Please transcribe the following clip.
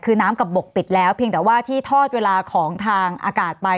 คือน้ำกับบกปิดแล้วเพียงแต่ว่าที่ทอดเวลาของทางอากาศไป